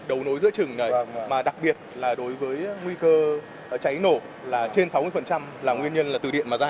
đầu nối giữa trừng này mà đặc biệt là đối với nguy cơ cháy nổ là trên sáu mươi là nguyên nhân là từ điện mà ra